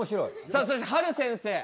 さあそしてはる先生。